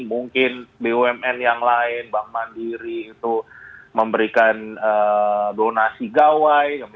mungkin bumn yang lain bank mandiri itu memberikan donasi gawai